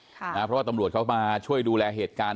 เพราะว่าตำรวจเขามาช่วยดูแลเหตุการณ์